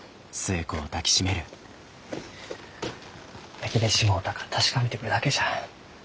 焼けてしもうたか確かめてくるだけじゃ。